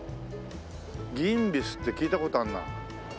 ギンビスって聞いた事あるな。